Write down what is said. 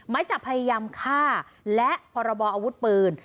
จะพยายามฆ่าและพรบออาวุธปืน